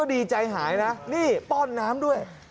ดีใจหายนะนี่ป้อนน้ำด้วย